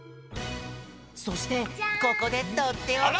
そしてここでとっておき！